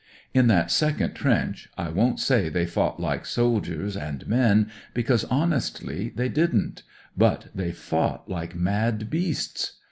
In that second trench, I won't say they fought like soldiers and men, because honestly they didn't; but they fought like mad beasts.